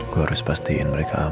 gue harus pastiin mereka